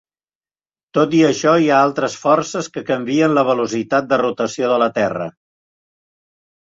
Tot i això, hi ha altres forces que canvien la velocitat de rotació de la Terra.